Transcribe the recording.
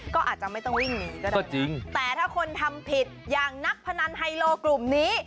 ก็อาจจะไม่ต้องวิ่งหนีก็ได้แต่ถ้าคนทำผิดอย่างนักพนันไฮโลกลุ่มนี้